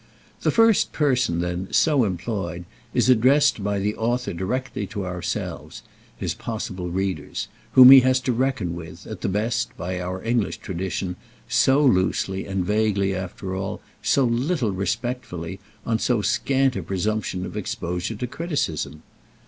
The "first person" then, so employed, is addressed by the author directly to ourselves, his possible readers, whom he has to reckon with, at the best, by our English tradition, so loosely and vaguely after all, so little respectfully, on so scant a presumption of exposure to criticism.